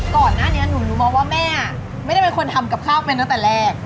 ก่อนหน้านี้หนูรู้มาว่าแม่ไม่ได้เป็นคนทำกับข้าวเป็นตั้งแต่แรก